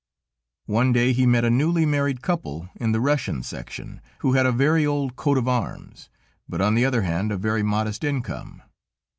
One day he met a newly married couple in the Russian section, who had a very old coat of arms, but on the other hand, a very modest income.